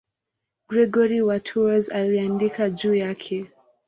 Gregori wa Tours aliandika juu yake.